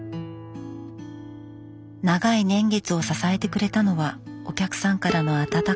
長い年月を支えてくれたのはお客さんからの温かい言葉。